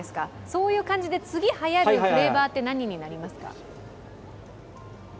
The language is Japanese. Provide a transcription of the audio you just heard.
そういう感じで次はやるフレーバーって何になりますか？